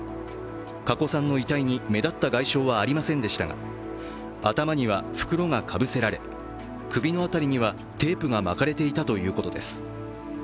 加古さんの遺体に目立った外傷はありませんでしたが、頭には袋がかぶせられ、首の辺りにはテープが巻かれていたということです。